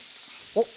おっ！